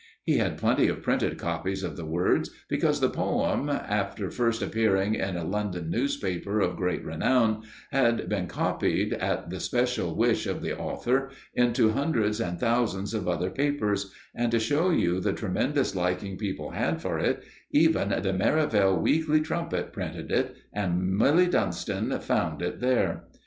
He had plenty of printed copies of the words, because the poem, after first appearing in a London newspaper of great renown, had been copied, at the special wish of the author, into hundreds and thousands of other papers; and to show you the tremendous liking people had for it, even the Merivale Weekly Trumpet printed it and Milly Dunston found it there.